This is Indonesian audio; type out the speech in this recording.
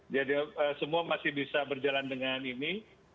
jadi semua masih bisa berjalan dengan ini